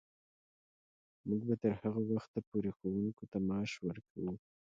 موږ به تر هغه وخته پورې ښوونکو ته معاش ورکوو.